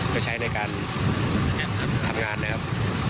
ไปใช้ในการทำงานนะครับ